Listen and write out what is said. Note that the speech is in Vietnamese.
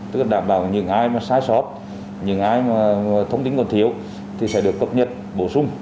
tức là đảm bảo những ai sai sót những ai thông tin còn thiếu sẽ được cập nhật bổ sung